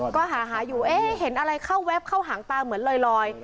ก็หาอยู่เอ๊ะเห็นอะไรเข้าแวบเข้าหางตาเหมือนลอย